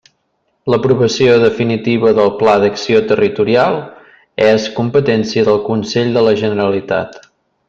L'aprovació definitiva del Pla d'acció territorial és competència del Consell de la Generalitat.